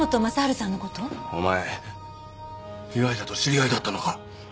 お前被害者と知り合いだったのか？